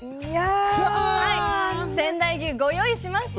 はい仙台牛ご用意しました。